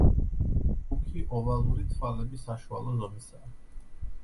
მუქი, ოვალური თვალები საშუალო ზომისაა.